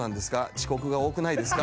遅刻が多くないですか？